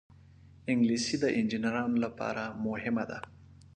انګلیسي د انجینرانو لپاره مهمه ده